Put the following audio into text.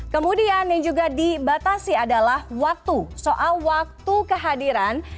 kemudian yang juga dibatasi adalah waktu soal waktu kehadiran